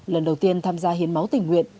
lần đầu tiên tham gia hiến máu tình nguyện